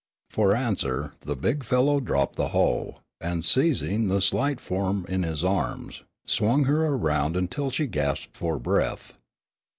For answer, the big fellow dropped the hoe and, seizing the slight form in his arms, swung her around until she gasped for breath.